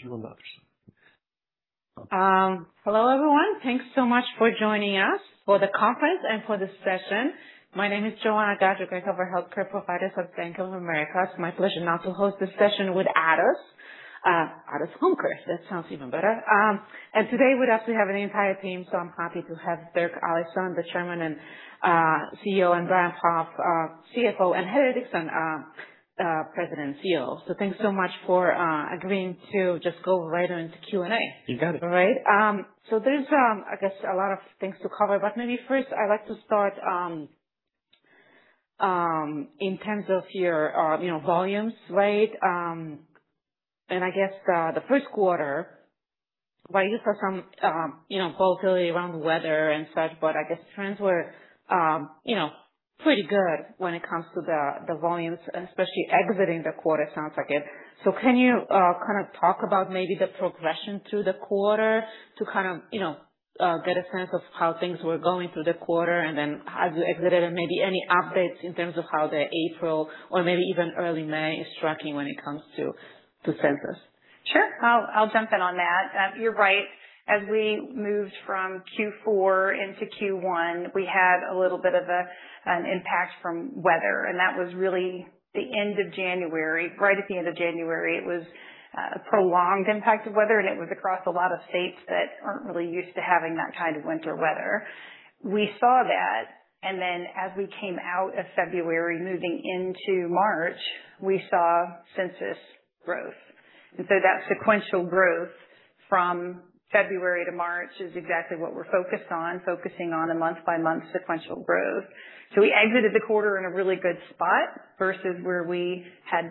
Hello everyone. Thanks so much for joining us for the conference and for this session. My name is Joanna Gajuk. I cover healthcare providers at Bank of America. It's my pleasure now to host this session with Addus. Addus HomeCare. That sounds even better. Today we'd actually have the entire team, so I'm happy to have Dirk Allison, the Chairman and CEO, and Brian Poff, CFO, and Heather Dixon, President and COO. Thanks so much for agreeing to just go right on to Q&A. You got it. All right. There's I guess a lot of things to cover, but maybe first I'd like to start in terms of your, you know, volumes, right? I guess the first quarter, right, you saw some, you know, volatility around weather and such, but I guess trends were, you know, pretty good when it comes to the volumes, and especially exiting the quarter, it sounds like it. Can you kind of talk about maybe the progression through the quarter to kind of, you know, get a sense of how things were going through the quarter and then as you exited, and maybe any updates in terms of how the April or maybe even early May is tracking when it comes to census? Sure. I'll jump in on that. You're right. As we moved from Q4 into Q1, we had a little bit of an impact from weather. That was really the end of January. Right at the end of January. It was a prolonged impact of weather. It was across a lot of states that aren't really used to having that kind of winter weather. We saw that. As we came out of February moving into March, we saw census growth. That sequential growth from February to March is exactly what we're focused on, focusing on a month-by-month sequential growth. We exited the quarter in a really good spot versus where we had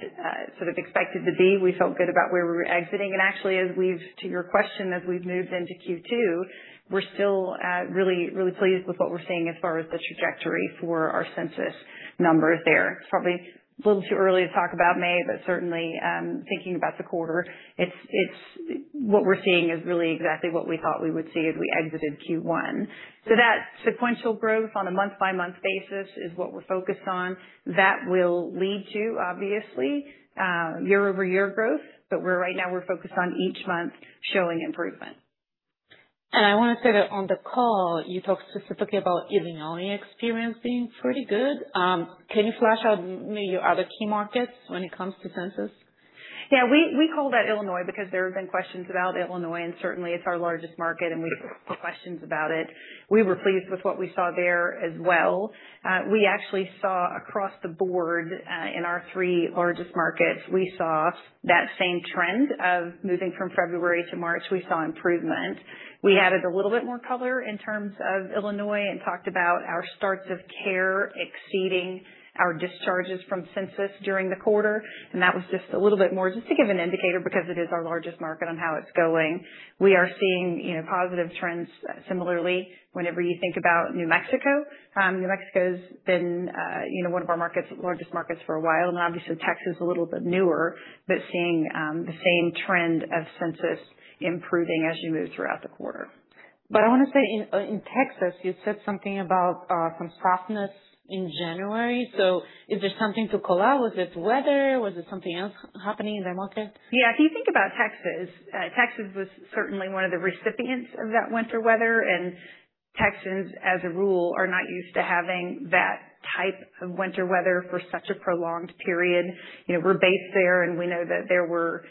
sort of expected to be. We felt good about where we were exiting. Actually, as we've moved into Q2, we're still really, really pleased with what we're seeing as far as the trajectory for our census numbers there. It's probably a little too early to talk about May, but certainly, thinking about the quarter, it's what we're seeing is really exactly what we thought we would see as we exited Q1. That sequential growth on a month-by-month basis is what we're focused on. That will lead to, obviously, year-over-year growth. Right now we're focused on each month showing improvement. I want to say that on the call, you talked specifically about Illinois experiencing pretty good. Can you flush out maybe your other key markets when it comes to census? Yeah. We call that Illinois because there have been questions about Illinois, and certainly it's our largest market, and we get questions about it. We were pleased with what we saw there as well. We actually saw across the board, in our three largest markets, we saw that same trend of moving from February to March. We saw improvement. We added a little bit more color in terms of Illinois and talked about our starts of care exceeding our discharges from census during the quarter. That was just a little bit more just to give an indicator because it is our largest market on how it's going. We are seeing, you know, positive trends similarly. Whenever you think about New Mexico, New Mexico's been, you know, one of our markets, largest markets for a while. Obviously Texas is a little bit newer, but seeing the same trend of census improving as you move throughout the quarter. I wanna say in Texas, you said something about some softness in January. Is there something to call out? Was it weather? Was it something else happening in that market? Yeah. If you think about Texas was certainly one of the recipients of that winter weather. Texans, as a rule, are not used to having that type of winter weather for such a prolonged period. You know, we're based there, and we know that there was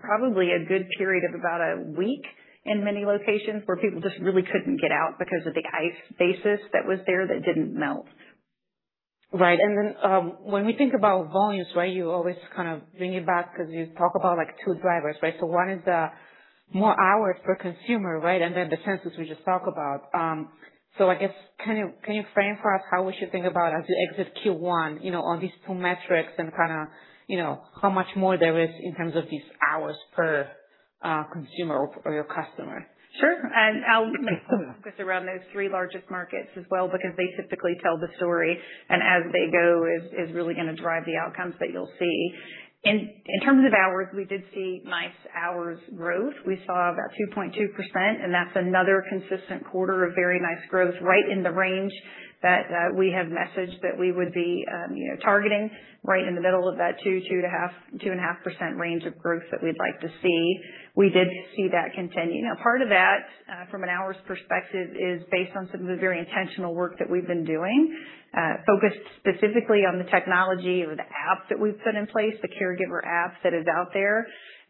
probably a good period of about a week in many locations where people just really couldn't get out because of the ice basis that was there that didn't melt. Right. When we think about volumes, right, you always kind of bring it back because you talk about, like, two drivers, right? One is the more hours per consumer, right? The census we just talked about. I guess, can you, can you frame for us how we should think about as you exit Q1, you know, on these 2 metrics and kinda, you know, how much more there is in terms of these hours per consumer or your customer? Sure. I'll make the focus around those three largest markets as well because they typically tell the story, and as they go is really going to drive the outcomes that you'll see. In terms of hours, we did see nice hours growth. We saw about 2.2%, that's another consistent quarter of very nice growth, right in the range that we have messaged that we would be, you know, targeting right in the middle of that 2.5% range of growth that we'd like to see. We did see that continue. Part of that from an hours perspective is based on some of the very intentional work that we've been doing, focused specifically on the technology or the app that we've put in place, the caregiver app that is out there.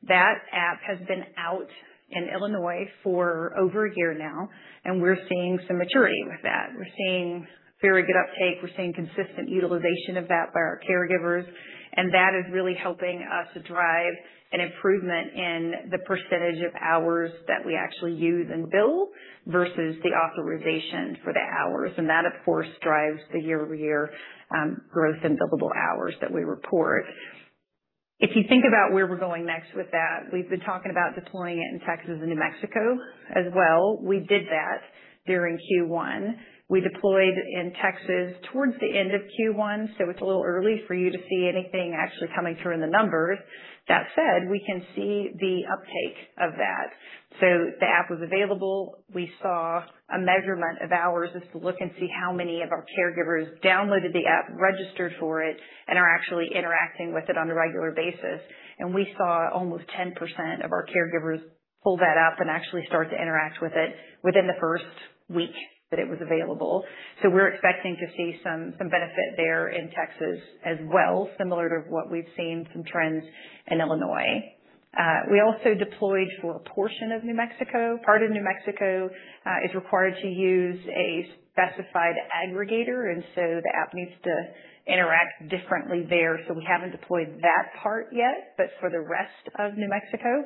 That app has been out in Illinois for over a year now, and we're seeing some maturity with that. We're seeing very good uptake. We're seeing consistent utilization of that by our caregivers, and that is really helping us to drive an improvement in the percentage of hours that we actually use and bill versus the authorization for the hours. That, of course, drives the year-over-year growth in billable hours that we report. If you think about where we're going next with that, we've been talking about deploying it in Texas and New Mexico as well. We did that during Q1. We deployed in Texas towards the end of Q1, it's a little early for you to see anything actually coming through in the numbers. That said, we can see the uptake of that. The app was available. We saw a measurement of hours just to look and see how many of our caregivers downloaded the app, registered for it, and are actually interacting with it on a regular basis. We saw almost 10% of our caregivers pull that app and actually start to interact with it within the first week that it was available. We're expecting to see some benefit there in Texas as well, similar to what we've seen some trends in Illinois. We also deployed for a portion of New Mexico. Part of New Mexico is required to use a specified aggregator, and so the app needs to interact differently there. We haven't deployed that part yet, but for the rest of New Mexico,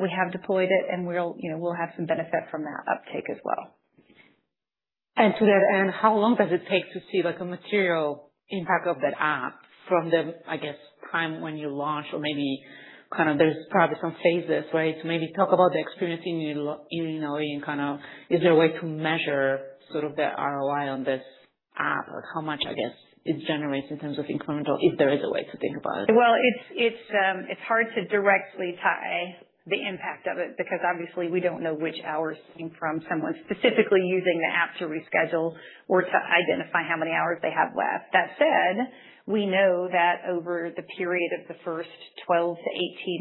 we have deployed it and we'll, you know, have some benefit from that uptake as well. To that end, how long does it take to see, like, a material impact of that app from the, I guess, time when you launch or maybe kind of there's probably some phases, right? Talk about the experience in Illinois and kind of is there a way to measure sort of the ROI on this app or how much, I guess, it generates in terms of incremental, if there is a way to think about it? Well, it's hard to directly tie the impact of it because obviously we don't know which hours came from someone specifically using the app to reschedule or to identify how many hours they have left. That said, we know that over the period of the first 12 to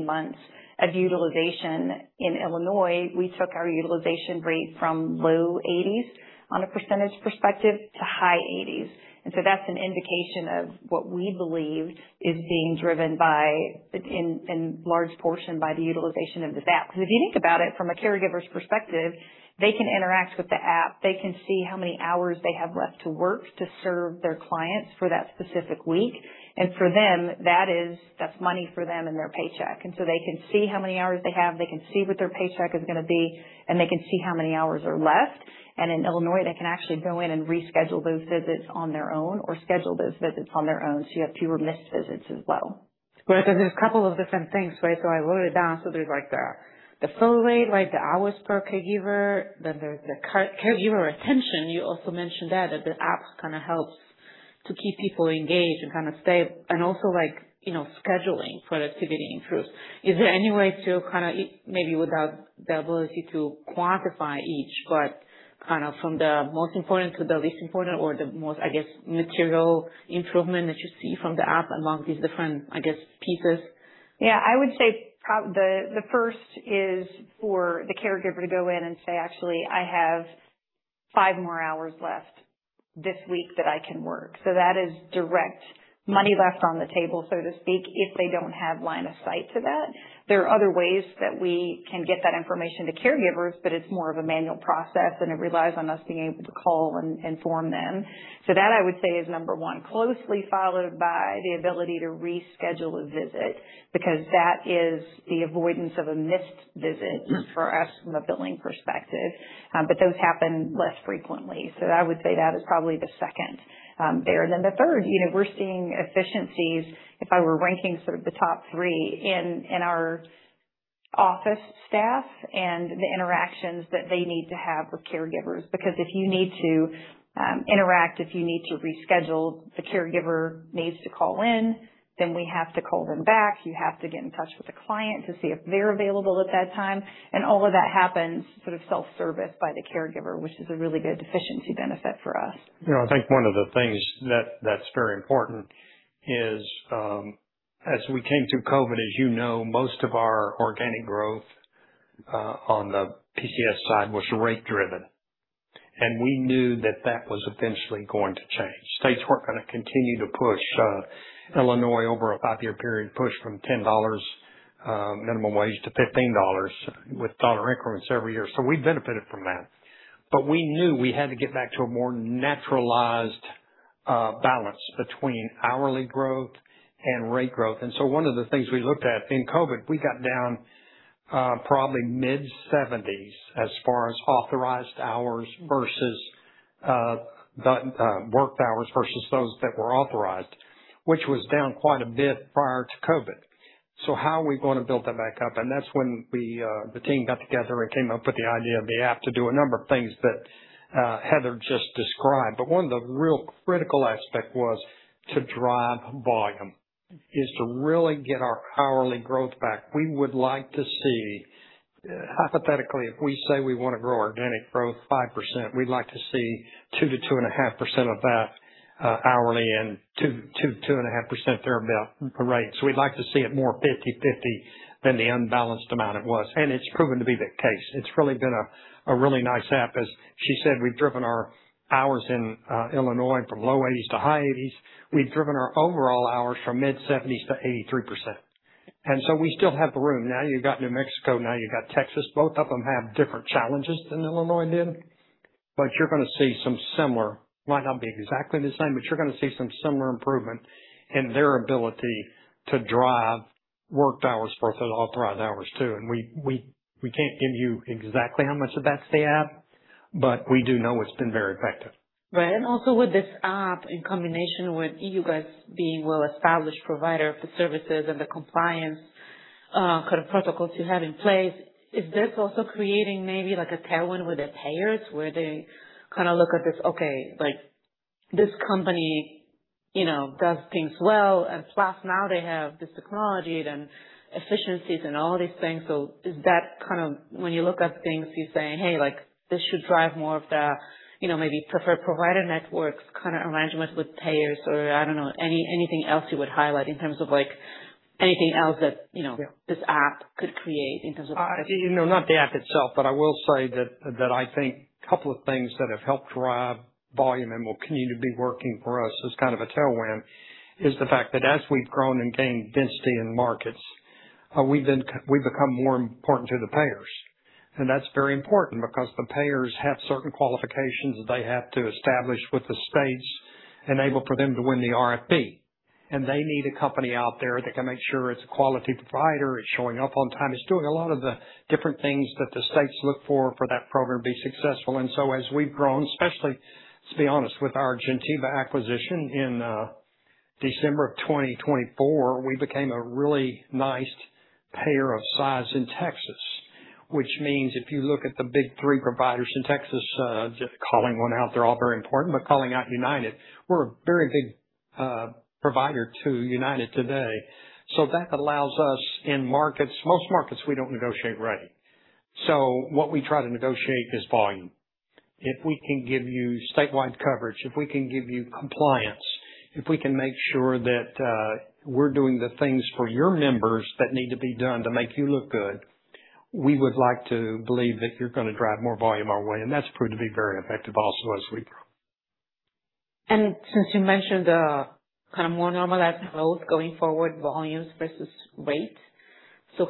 18 months of utilization in Illinois, we took our utilization rate from low 80s on a percentage perspective to high 80s. That's an indication of what we believe is being driven by, in large portion by the utilization of this app. If you think about it from a caregiver's perspective, they can interact with the app. They can see how many hours they have left to work to serve their clients for that specific week. For them, that's money for them and their paycheck. They can see how many hours they have, they can see what their paycheck is gonna be, and they can see how many hours are left. In Illinois, they can actually go in and reschedule those visits on their own or schedule those visits on their own. You have fewer missed visits as well. Right. There's a couple of different things, right? I wrote it down. There's like the fill rate, like the hours per caregiver, then there's the caregiver retention. You also mentioned that the app kinda helps to keep people engaged and kind of stay and also like, you know, scheduling productivity improves. Is there any way to kinda maybe without the ability to quantify each, but kind of from the most important to the least important or the most, I guess, material improvement that you see from the app among these different, I guess, pieces? Yeah, I would say the first is for the caregiver to go in and say, "Actually, I have five more hours left this week that I can work." That is direct money left on the table, so to speak, if they don't have line of sight to that. There are other ways that we can get that information to caregivers, but it's more of a manual process and it relies on us being able to call and inform them. That I would say is number one, closely followed by the ability to reschedule a visit, because that is the avoidance of a missed visit for us from a billing perspective. Those happen less frequently. I would say that is probably the two there. The third, you know, we're seeing efficiencies, if I were ranking sort of the top three in our office staff and the interactions that they need to have with caregivers. Because if you need to interact, if you need to reschedule, the caregiver needs to call in, then we have to call them back. You have to get in touch with the client to see if they're available at that time. All of that happens sort of self-service by the caregiver, which is a really good efficiency benefit for us. You know, I think one of the things that's very important is as we came through COVID, as you know, most of our organic growth on the PCS side was rate driven. We knew that that was eventually going to change. States were going to continue to push, Illinois over a five-year period, pushed from $10 minimum wage to $15 with dollar increments every year. We benefited from that. We knew we had to get back to a more naturalized balance between hourly growth and rate growth. One of the things we looked at in COVID, we got down probably mid-70s as far as authorized hours versus the worked hours versus those that were authorized, which was down quite a bit prior to COVID. How are we going to build that back up? That's when we, the team got together and came up with the idea of the app to do a number of things that Heather just described. One of the real critical aspect was to drive volume, is to really get our hourly growth back. We would like to see, hypothetically, if we say we want to grow organic growth 5%, we'd like to see 2% to 2.5% of that hourly and 2% to 2.5% there about rates. We'd like to see it more 50/50 than the unbalanced amount it was, it's proven to be the case. It's really been a really nice app. As she said, we've driven our hours in Illinois from low 80s to high 80s. We've driven our overall hours from mid-70s to 83%. We still have the room. You've got New Mexico, now you've got Texas. Both of them have different challenges than Illinois did, but you're going to see some similar, might not be exactly the same, but you're going to see some similar improvement in their ability to drive worked hours versus authorized hours too. We can't give you exactly how much of that's the app, but we do know it's been very effective. Right. Also with this app, in combination with you guys being well-established provider of the services and the compliance, kind of protocols you have in place, is this also creating maybe like a tailwind with the payers where they kinda look at this, okay, like this company, you know, does things well and plus now they have this technology, then efficiencies and all these things? Is that kind of when you look at things, you're saying, hey, like this should drive more of the, you know, maybe preferred provider networks kinda arrangement with payers or I don't know? Anything else you would highlight in terms of like anything else that, you know, this app could create in terms of? you know, not the app itself, but I will say that I think couple of things that have helped drive volume and will continue to be working for us as kind of a tailwind is the fact that as we've grown and gained density in markets, we then we become more important to the payers. That's very important because the payers have certain qualifications that they have to establish with the states enable for them to win the RFP. They need a company out there that can make sure it's a quality provider, it's showing up on time. It's doing a lot of the different things that the states look for that program to be successful. As we've grown, especially, let's be honest, with our Gentiva acquisition in December of 2024, we became a really nice player of size in Texas, which means if you look at the big three providers in Texas, just calling one out, they're all very important, but calling out United, we're a very big provider to United today. That allows us in Most markets, we don't negotiate rate. If we can give you statewide coverage, if we can give you compliance, if we can make sure that we're doing the things for your members that need to be done to make you look good, we would like to believe that you're gonna drive more volume our way. That's proved to be very effective also as we grow. Since you mentioned the kind of more normalized growth going forward, volumes versus rate,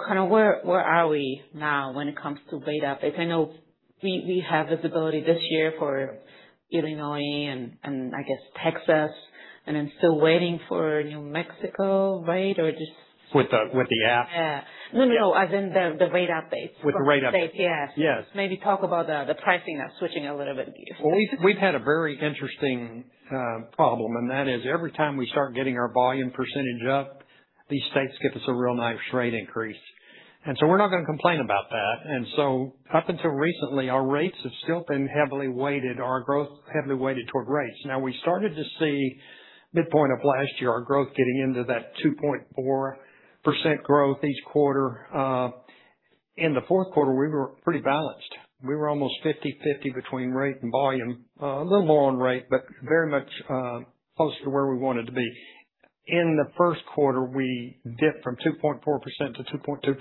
kind of where are we now when it comes to rate updates? I know we have visibility this year for Illinois and, I guess Texas, and I'm still waiting for New Mexico, right? With the app? Yeah. No, no, as in the rate updates. With the rate up- Yes. Yes. Maybe talk about the pricing now, switching a little bit. Well, we've had a very interesting problem, and that is every time we start getting our volume percentage up, these states give us a real nice rate increase. We're not gonna complain about that. Up until recently, our rates have still been heavily weighted, our growth heavily weighted toward rates. Now, we started to see midpoint of last year, our growth getting into that 2.4% growth each quarter. In the fourth quarter, we were pretty balanced. We were almost 50/50 between rate and volume. A little more on rate, but very much close to where we wanted to be. In the first quarter, we dipped from 2.4% to 2.2%,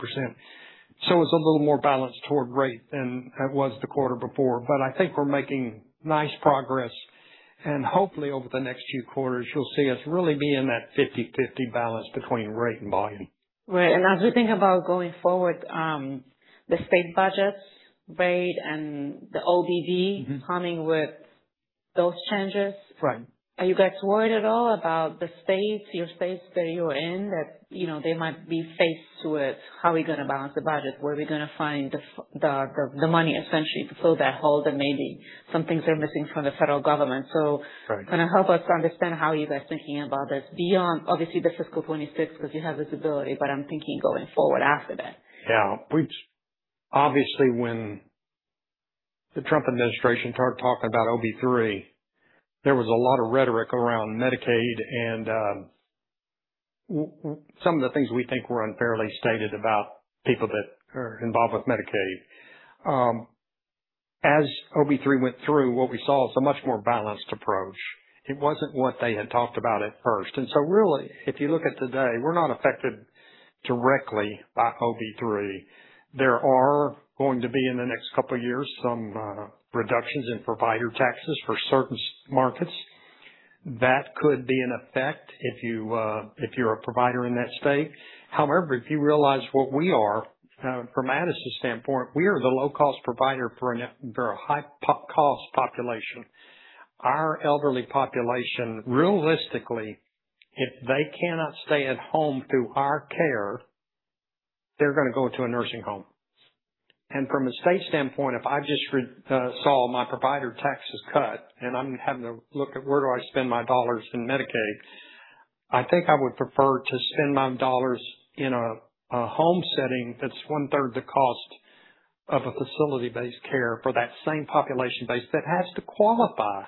so it's a little more balanced toward rate than it was the quarter before. I think we're making nice progress, and hopefully, over the next few quarters, you'll see us really be in that 50/50 balance between rate and volume. Right. As we think about going forward, the state budgets, rate, and the OBBBA coming with those changes. Right. Are you guys worried at all about the states, your states that you're in, that, you know, they might be faced with how are we gonna balance the budget? Where are we gonna find the money essentially to fill that hole that maybe some things are missing from the federal government. Right. kinda help us understand how you guys are thinking about this beyond obviously the fiscal 2026, because you have visibility, but I'm thinking going forward after that. Yeah. Obviously, when the Trump administration started talking about OB3, there was a lot of rhetoric around Medicaid and some of the things we think were unfairly stated about people that are involved with Medicaid. As OB3 went through, what we saw was a much more balanced approach. It wasn't what they had talked about at first. Really, if you look at today, we're not affected directly by OB3. There are going to be, in the next couple of years, some reductions in provider taxes for certain markets. That could be in effect if you're a provider in that state. However, if you realize what we are, from Medicaid's standpoint, we are the low-cost provider for a high-cost population. Our elderly population, realistically, if they cannot stay at home through our care, they're gonna go to a nursing home. From a state standpoint, if I've just saw my provider taxes cut and I'm having to look at where do I spend my dollars in Medicaid, I think I would prefer to spend my dollars in a home setting that's one-third the cost of a facility-based care for that same population base that has to qualify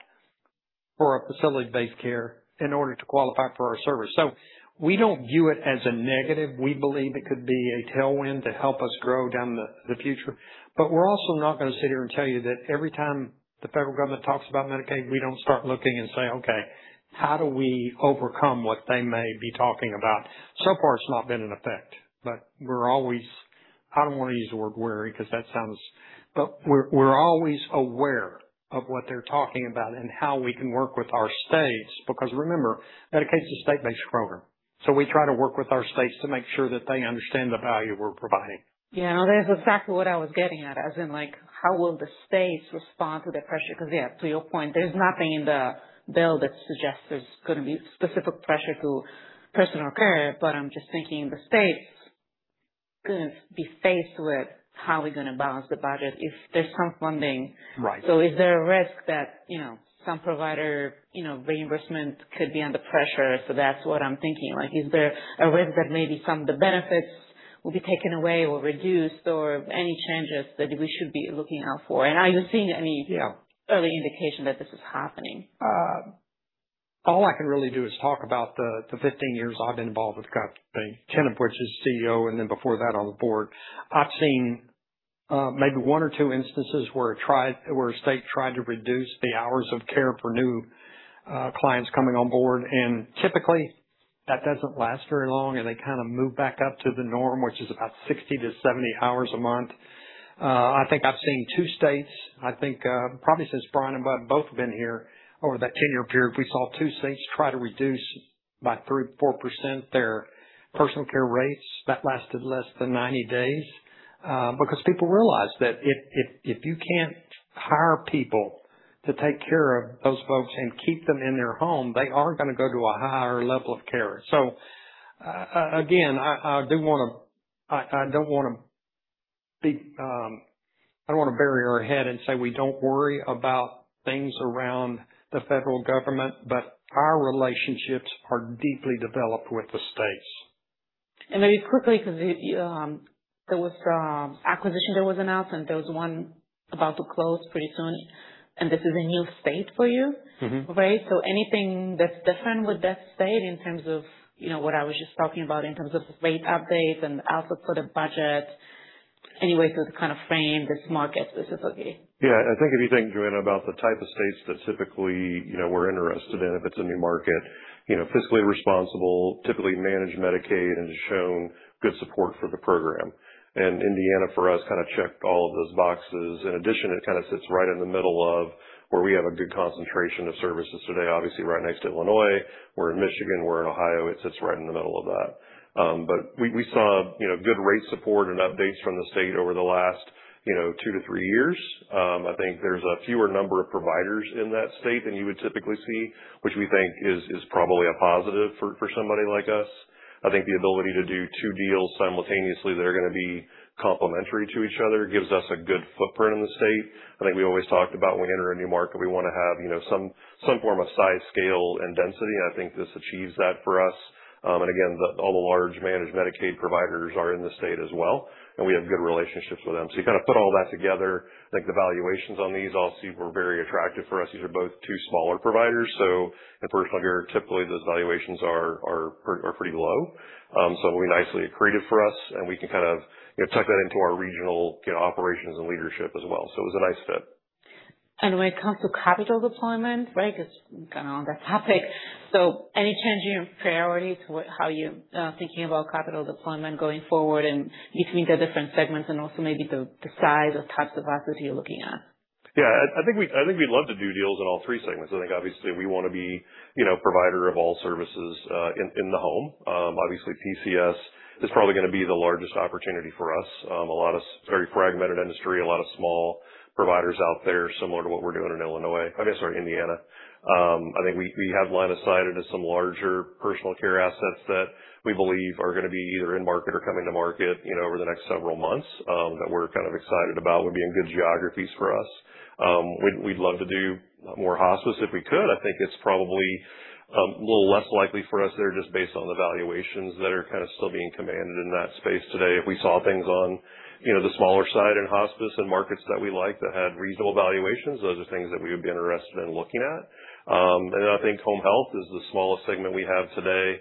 for a facility-based care in order to qualify for our service. We don't view it as a negative. We believe it could be a tailwind to help us grow down the future. We're also not gonna sit here and tell you that every time the federal government talks about Medicaid, we don't start looking and say, "Okay, how do we overcome what they may be talking about?" So far, it's not been in effect, but we're always I don't wanna use the word wary because that sounds. We're always aware of what they're talking about and how we can work with our states because remember, Medicaid's a state-based program. We try to work with our states to make sure that they understand the value we're providing. Yeah. That's exactly what I was getting at, as in, like, how will the states respond to the pressure? Yeah, to your point, there's nothing in the bill that suggests there's gonna be specific pressure to personal care. I'm just thinking the states gonna be faced with how we're gonna balance the budget if there's some funding. Right. Is there a risk that, you know, some provider, you know, reimbursement could be under pressure? That's what I'm thinking. Like, is there a risk that maybe some of the benefits will be taken away or reduced or any changes that we should be looking out for, are you seeing any? Yeah. early indication that this is happening? All I can really do is talk about the 15 years I've been involved with the company, 10 of which as CEO and then before that on the board. I've seen one or two instances where a state tried to reduce the hours of care for new clients coming on board, and typically, that doesn't last very long, and they kinda move back up to the norm, which is about 60-70 hours a month. I think I've seen two states, I think, probably since Brian and I both have been here, over that 10-year period, we saw two states try to reduce by 3%-4% their personal care rates. That lasted less than 90 days. Because people realized that if you can't hire people to take care of those folks and keep them in their home, they are gonna go to a higher level of care. I don't wanna be, I don't wanna bury our head and say we don't worry about things around the federal government, but our relationships are deeply developed with the states. Maybe quickly, because, there was acquisition that was announced, and there was one about to close pretty soon, and this is a new state for you. Right? Anything that's different with that state in terms of, you know, what I was just talking about in terms of rate updates and output of the budget. Any ways to kind of frame this market specifically? I think if you think, Joanna, about the type of states that typically, you know, we're interested in if it's a new market, you know, fiscally responsible, typically manage Medicaid and has shown good support for the program. Indiana for us kind of checked all of those boxes. In addition, it kind of sits right in the middle of where we have a good concentration of services today. Obviously, right next to Illinois, we're in Michigan, we're in Ohio. It sits right in the middle of that. We saw, you know, good rate support and updates from the state over the last, you know, two to three years. I think there's a fewer number of providers in that state than you would typically see, which we think is probably a positive for somebody like us. I think the ability to do two deals simultaneously that are gonna be complementary to each other gives us a good footprint in the state. I think we always talked about when we enter a new market, we wanna have, you know, some form of size, scale, and density. I think this achieves that for us. Again, all the large managed Medicaid providers are in the state as well, and we have good relationships with them. You kind of put all that together, I think the valuations on these also were very attractive for us. These are both two smaller providers. In personal care, typically, those valuations are pretty low. It will be nicely accretive for us, and we can kind of, you know, tuck that into our regional, you know, operations and leadership as well. It was a nice fit. When it comes to capital deployment, right, it's kinda on that topic. Any change in your priority to what, how you thinking about capital deployment going forward and between the different segments and also maybe the size or types of assets you're looking at? Yeah. I think we'd love to do deals in all three segments. I think obviously we wanna be, you know, provider of all services in the home. Obviously PCS is probably gonna be the largest opportunity for us. A lot of very fragmented industry, a lot of small providers out there similar to what we're doing in Illinois. I guess, or Indiana. I think we have line of sight into some larger personal care assets that we believe are gonna be either in market or coming to market, you know, over the next several months that we're kind of excited about. Would be in good geographies for us. We'd love to do more hospice if we could. I think it's probably a little less likely for us there just based on the valuations that are kind of still being commanded in that space today. If we saw things on, you know, the smaller side in hospice and markets that we like that had reasonable valuations, those are things that we would be interested in looking at. Then I think home health is the smallest segment we have today.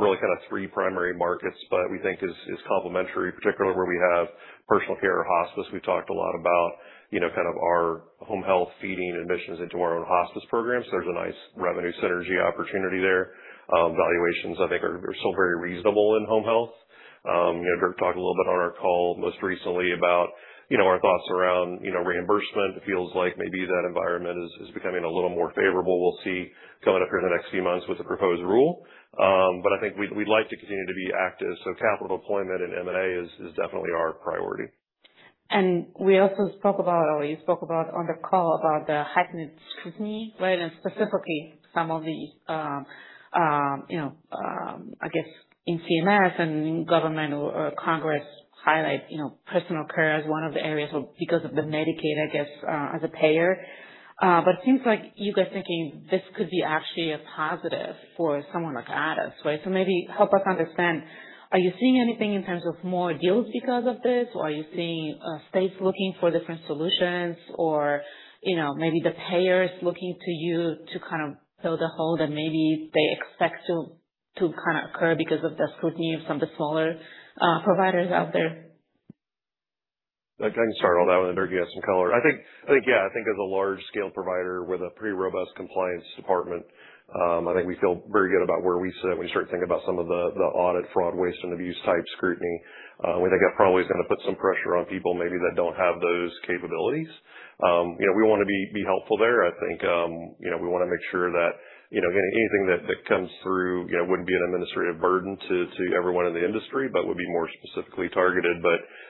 Really kind of three primary markets, but we think is complementary, particularly where we have personal care or hospice. We've talked a lot about, you know, kind of our home health feeding admissions into our own hospice programs. There's a nice revenue synergy opportunity there. Valuations I think are still very reasonable in home health. You know, Dirk talked a little bit on our call most recently about, you know, our thoughts around, you know, reimbursement. It feels like maybe that environment is becoming a little more favorable. We'll see coming up here in the next few months with the proposed rule. I think we'd like to continue to be active. Capital deployment and M&A is definitely our priority. We also spoke about, or you spoke about on the call about the heightened scrutiny, right, and specifically some of the, you know, I guess in CMS and Government or Congress highlight, you know, personal care as one of the areas where, because of the Medicaid, I guess, as a payer. It seems like you guys thinking this could be actually a positive for someone like us, right? Maybe help us understand, are you seeing anything in terms of more deals because of this, or are you seeing states looking for different solutions or maybe the payers looking to you to kind of fill the hole that maybe they expect to kind of occur because of the scrutiny of some of the smaller providers out there? I can start all that one and Dirk, you have some color. I think, yeah. I think as a large scale provider with a pretty robust compliance department, I think we feel very good about where we sit when we start thinking about some of the audit fraud, waste, and abuse type scrutiny. We think that probably is gonna put some pressure on people maybe that don't have those capabilities. You know, we wanna be helpful there. I think, you know, we wanna make sure that, you know, anything that comes through, you know, wouldn't be an administrative burden to everyone in the industry, but would be more specifically targeted.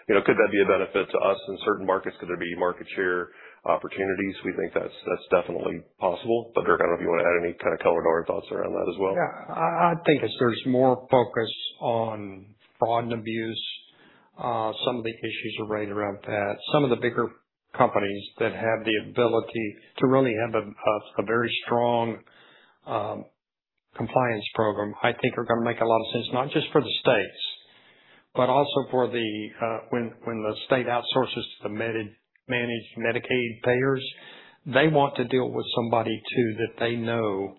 You know, could that be a benefit to us in certain markets? Could there be market share opportunities? We think that's definitely possible. Dirk, I don't know if you wanna add any kind of color to our thoughts around that as well. Yeah. I think as there's more focus on fraud and abuse, some of the issues are right around that. Some of the bigger companies that have the ability to really have a very strong compliance program, I think are gonna make a lot of sense, not just for the states, but also for the when the state outsources the managed Medicaid payers, they want to deal with somebody too that they know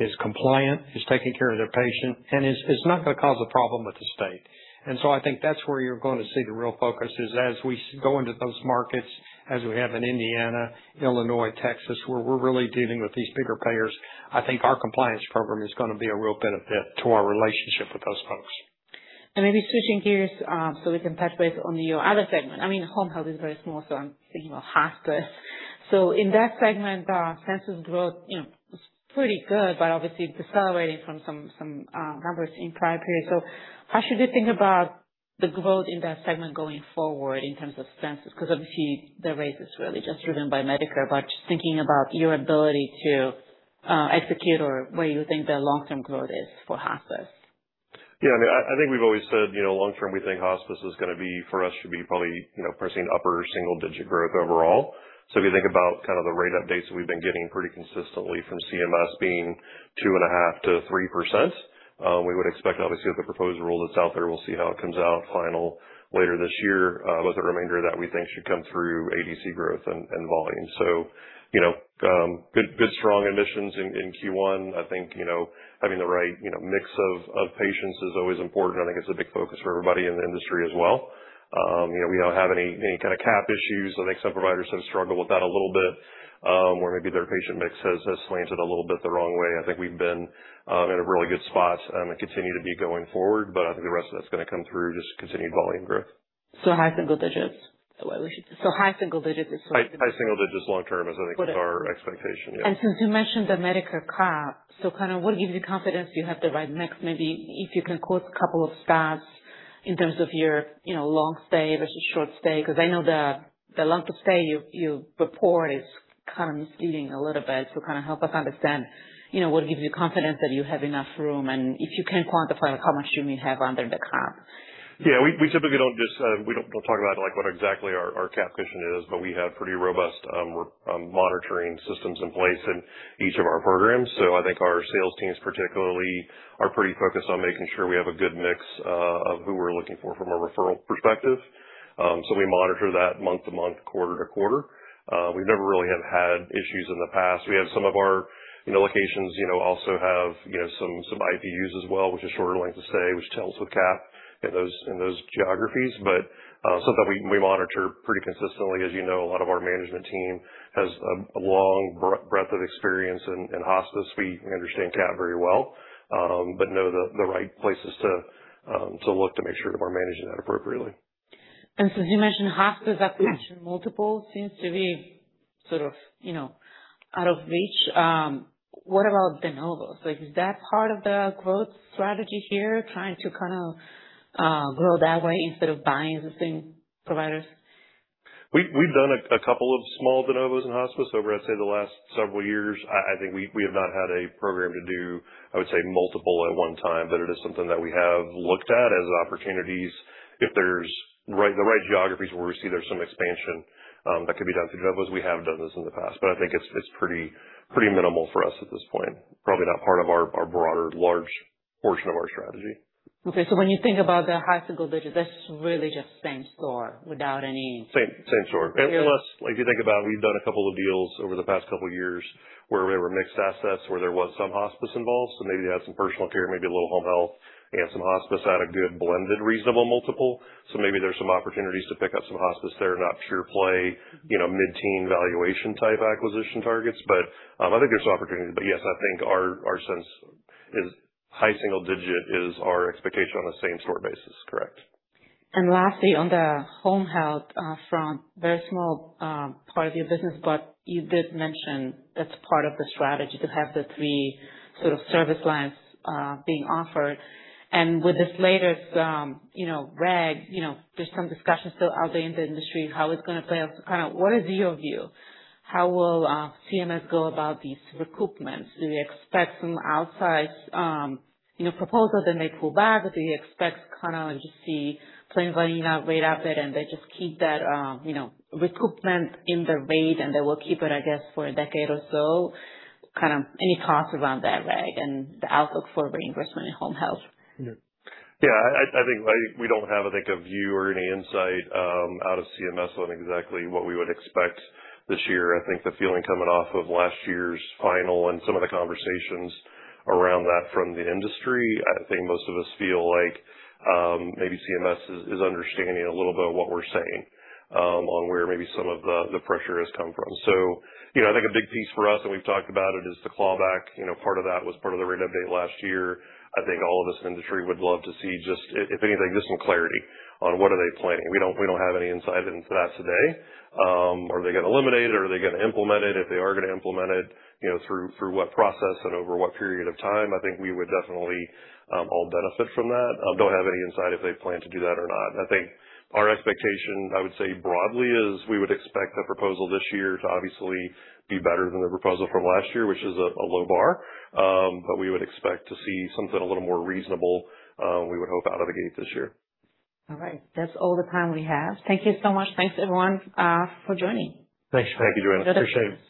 is compliant, is taking care of their patient, and is not gonna cause a problem with the state. I think that's where you're gonna see the real focus is as we go into those markets, as we have in Indiana, Illinois, Texas, where we're really dealing with these bigger payers. I think our compliance program is gonna be a real benefit to our relationship with those folks. Maybe switching gears, so we can touch base on your other segment. I mean, home health is very small, so I'm thinking of hospice. In that segment, census growth, you know, was pretty good, but obviously decelerating from some numbers in prior periods. How should we think about the growth in that segment going forward in terms of census? Because obviously the rate is really just driven by Medicare, but just thinking about your ability to execute or where you think the long-term growth is for hospice. I mean, I think we've always said, you know, long term, we think hospice is gonna be, for us, should be probably, you know, pressing upper single-digit growth overall. If you think about kind of the rate updates that we've been getting pretty consistently from CMS being 2.5%-3%, we would expect obviously with the proposed rule that's out there, we'll see how it comes out final later this year, with the remainder that we think should come through ADC growth and volume. You know, good strong admissions in Q1. I think, you know, having the right, you know, mix of patients is always important. I think it's a big focus for everybody in the industry as well. You know, we don't have any kind of cap issues. I think some providers have struggled with that a little bit, where maybe their patient mix has slanted a little bit the wrong way. I think we've been in a really good spot and continue to be going forward. I think the rest of that's gonna come through just continued volume growth. High single digits is. High, high single digits long term is I think our expectation, yeah. Since you mentioned the Medicare cap, kind of what gives you confidence you have the right mix? Maybe if you can quote a couple of stats in terms of your, you know, long stay versus short stay. 'Cause I know the length of stay you report is kind of misleading a little bit. Kind of help us understand, you know, what gives you confidence that you have enough room and if you can quantify how much you may have under the cap. Yeah, we typically don't. We'll talk about like what exactly our cap cushion is, we have pretty robust monitoring systems in place in each of our programs. I think our sales teams particularly are pretty focused on making sure we have a good mix of who we're looking for from a referral perspective. We monitor that month to month, quarter to quarter. We never really have had issues in the past. We have some of our, you know, locations, you know, also have, you know, some IPUs as well, which is shorter length of stay, which helps with cap in those geographies. Something we monitor pretty consistently. As you know, a lot of our management team has a long breadth of experience in hospice. We understand cap very well. Know the right places to look to make sure that we're managing that appropriately. Since you mentioned hospice acquisition multiple seems to be sort of, you know, out of reach, what about de novos? Like, is that part of the growth strategy here, trying to kind of grow that way instead of buying existing providers? We've done a couple of small de novos in hospice over, I'd say, the last several years. I think we have not had a program to do, I would say, multiple at one time, it is something that we have looked at as opportunities. If there's the right geographies where we see there's some expansion that could be done through de novos. We have done this in the past, I think it's pretty minimal for us at this point. It's probably not part of our broader large portion of our strategy. Okay. When you think about the high single digits, that's really just same store. Same store. Unless, like, if you think about it, we've done two deals over the past two years where we were mixed assets, where there was some hospice involved. Maybe you had some personal care, maybe a little home health and some hospice at a good blended, reasonable multiple. Maybe there's some opportunities to pick up some hospice that are not pure play, you know, mid-teen valuation type acquisition targets. I think there's opportunity. Yes, I think our sense is high single digit is our expectation on a same store basis. Correct. Lastly, on the home health front, very small part of your business, but you did mention that's part of the strategy to have the three sort of service lines being offered. With this latest, you know, reg, you know, there's some discussions still out there in the industry how it's gonna play out. Kind of what is your view? How will CMS go about these recoupments? Do you expect some outsized, you know, proposal then they pull back? Do you expect kind of just the plain vanilla rate up and they just keep that, you know, recoupment in the rate and they will keep it, I guess, for a decade or so? Kind of any thoughts around that reg and the outlook for reimbursement in home health? I think we don't have, I think, a view or any insight out of CMS on exactly what we would expect this year. I think the feeling coming off of last year's final and some of the conversations around that from the industry, I think most of us feel like maybe CMS is understanding a little bit of what we're saying on where maybe some of the pressure has come from. You know, I think a big piece for us, and we've talked about it, is the clawback. You know, part of that was part of the rate update last year. I think all of us in the industry would love to see just, if anything, just some clarity on what are they planning. We don't have any insight into that today. Are they gonna eliminate it? Are they gonna implement it? If they are gonna implement it, you know, through what process and over what period of time? I think we would definitely all benefit from that. Don't have any insight if they plan to do that or not. I think our expectation, I would say broadly, is we would expect the proposal this year to obviously be better than the proposal from last year, which is a low bar. We would expect to see something a little more reasonable, we would hope out of the gate this year. All right. That's all the time we have. Thank you so much. Thanks, everyone, for joining. Thanks. Thank you, Joanna. Appreciate it.